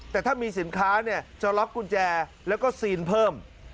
แต่ถ้ามีสินค้าจะล็อกกุญแจแล้วก็ซีนเพิ่ม